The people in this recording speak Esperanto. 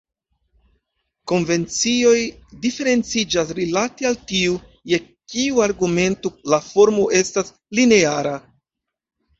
Konvencioj diferenciĝas rilate al tio je kiu argumento la formo estas lineara.